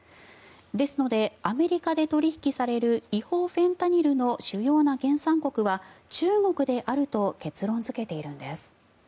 ですので、アメリカで取引される違法フェンタニルの主要な原産国は中国であると結論付けているんです。